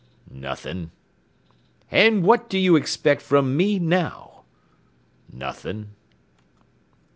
"Nothing." "And what do you expect from me now?" "Nothing."